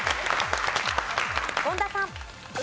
権田さん。